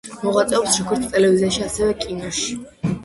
მოღვაწეობს როგორც ტელევიზიაში, ასევე კინოში.